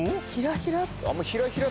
ひらひら？